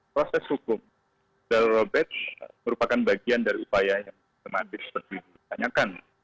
proses hukum dari robertus merupakan bagian dari upaya yang terhadap seperti yang ditanyakan